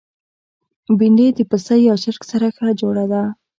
بېنډۍ د پسه یا چرګ سره ښه جوړه ده